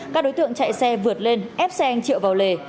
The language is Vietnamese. các đối tượng chạy xe vượt lên ép xe anh triệu vào lề